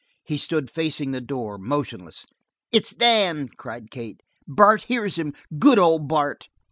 He stood facing the door, motionless. "It's Dan," cried Kate. "Bart hears him! Good old Bart!"